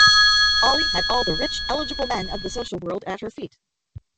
Ollie had all the rich, eligible men of the social world at her feet.